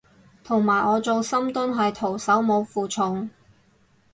同埋我做深蹲係徒手冇負重